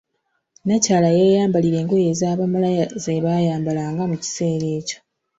Nnakyala yeeyambalira ngoye eza bamalaaya ze bayambalanga mu kiseera ekyo.